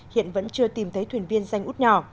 hiện vẫn chưa tìm thấy thuyền viên danh út nhỏ